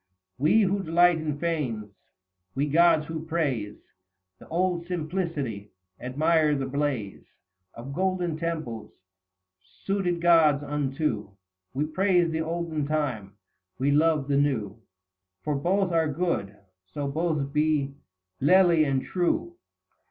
We, who delight in fanes, we gods, who praise The old simplicity, admire the blaze Of golden temples, suited gods unto. We praise the olden time, we love the new, For both are good, so both be lele and true."